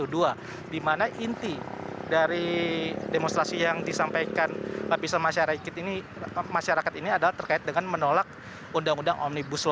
di mana inti dari demonstrasi yang disampaikan lapisan masyarakat ini adalah terkait dengan menolak undang undang omnibus law